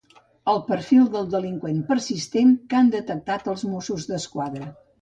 El perfil del delinqüent persistent que han detectat els Mossos d'Esquadra.